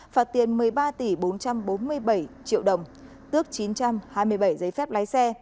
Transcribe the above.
phạt tiền một mươi ba tỷ bốn trăm bốn mươi bảy triệu đồng tước chín trăm hai mươi bảy giấy phép lái xe